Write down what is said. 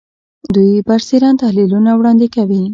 دوی برسېرن تحلیلونه وړاندې کوي